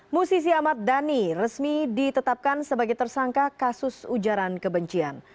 musisi ahmad dhani resmi ditetapkan sebagai tersangka kasus ujaran kebencian